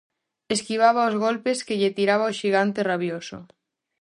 Esquivaba os golpes que lle tiraba o xigante rabioso.